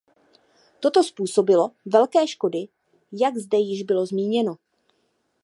Toto způsobilo velké škody, jak zde již bylo zmíněno.